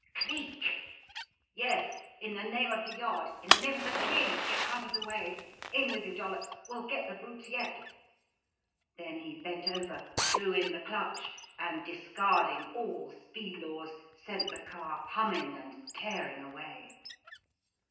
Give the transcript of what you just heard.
"Cleek?" "Yes! In the name of The Yard; in the name of the king! get out of the way! In with you, Dollops! We'll get the brutes yet!" Then he bent over, threw in the clutch, and discarding all speed laws, sent the car humming and tearing away.